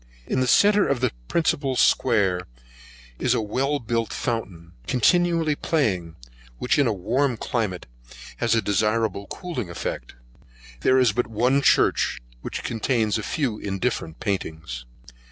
In the centre of the principal square, is a well built fountain, continually playing, which, in a warm climate, has a desirable cooling effect. There is but one church, which contains a few indifferent paintings.